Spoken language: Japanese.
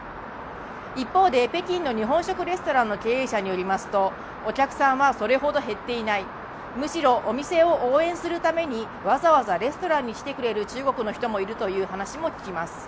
一方で、北京の日本食レストランの経営者によりますと、お客さんはそれほど減っていないむしろ、お店を応援するためにわざわざレストランに来てくれる中国の人もいるという話も聞きます。